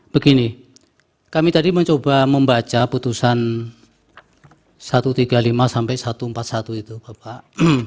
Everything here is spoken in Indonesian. begini kami tadi mencoba membaca putusan satu ratus tiga puluh lima sampai satu ratus empat puluh satu itu bapak